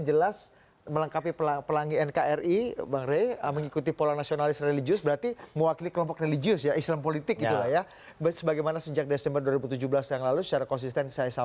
jelang penutupan pendaftaran